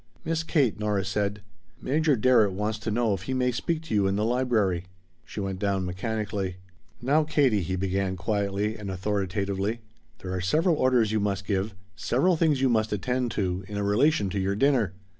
"Miss Kate," Nora said, "Major Darrett wants to know if he may speak to you in the library." She went down mechanically. "Now, Katie," he began quietly and authoritatively, "there are several orders you must give, several things you must attend to, in relation to your dinner.